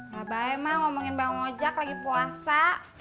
gak baik emak ngomongin bang ojak lagi puasa